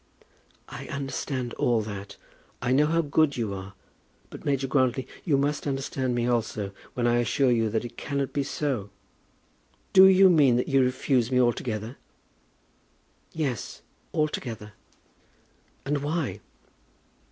"I understand all that. I know how good you are. But, Major Grantly, you must understand me also when I assure you that it cannot be so." "Do you mean that you refuse me altogether?" "Yes; altogether." "And why?"